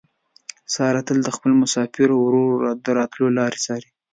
ساره تل د خپل مسافر ورور د راتلو لارې څاري.